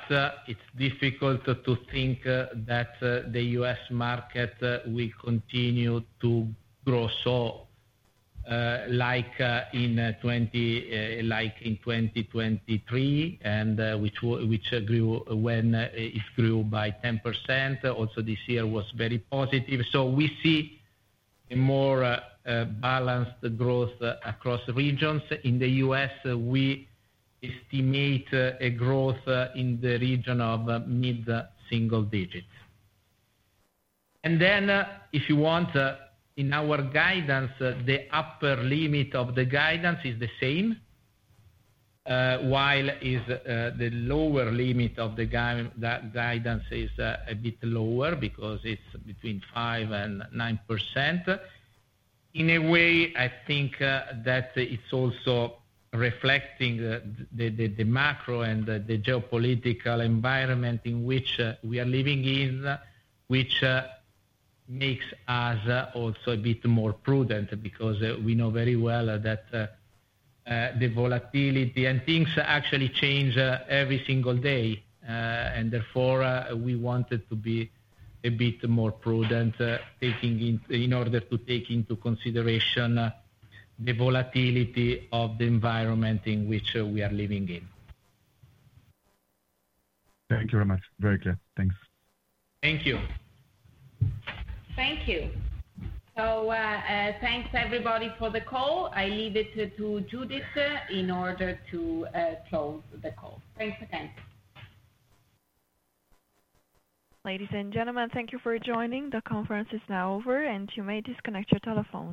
it's difficult to think that the U.S. market will continue to grow so like in 2023, which grew when it grew by 10%. Also, this year was very positive. So we see a more balanced growth across regions. In the U.S., we estimate a growth in the region of mid single digit. And then if you want, in our guidance, the upper limit of the guidance is the same, while the lower limit of the guidance is a bit lower because it's between 5% and 9%. In a way, I think that it's also reflecting the macro and the geopolitical environment in which we are living in, which makes us also a bit more prudent because we know very well that the volatility and things actually change every single day. And therefore, we wanted to be a bit more prudent in order to take into consideration the volatility of the environment in which we are living in. Thank you very much. Very clear. Thanks. Thank you. Thank you. So thanks, everybody, for the call. I leave it to Judith in order to close the call. Thanks again. Ladies and gentlemen, thank you for joining. The conference is now over, and you may disconnect your telephone.